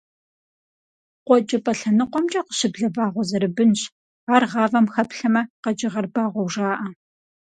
КъуэкӀыпӀэ лъэныкъуэмкӀэ къыщыблэ вагъуэ зэрыбынщ, ар гъавэм хэплъэмэ, къэкӀыгъэр багъуэу жаӀэ.